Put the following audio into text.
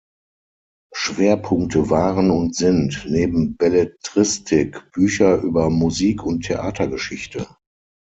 Schwerpunkte waren und sind neben Belletristik Bücher über Musik- und Theatergeschichte.